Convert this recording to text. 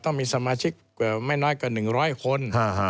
ต้องมีสมาชิกไม่น้อยกว่า๑๐๐คน